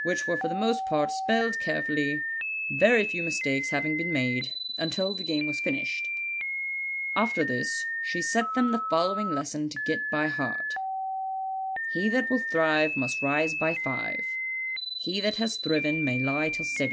which were for the most part spelled carefully, very few mistakes having been made, until the game was finished. After this, she set them the following lesson to get by heart: 'He that will thrive 'Tell me with whom yov go, Must rise by five.